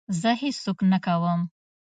زه هېڅ څوک نه کوم.